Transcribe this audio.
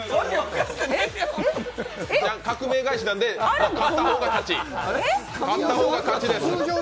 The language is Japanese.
革命返しなので、勝った方が勝ちです。